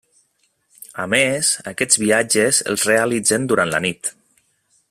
A més, aquests viatges els realitzen durant la nit.